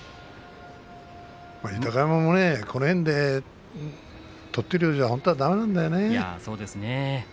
豊山もこの辺で取っているようでは本当はだめなんだよね。